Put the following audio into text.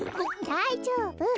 だいじょうぶ。